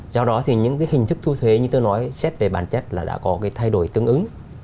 do đó thì những cái hình thức thu thuế như tôi nói xét về bản chất là đã có cái thay đổi tương ứng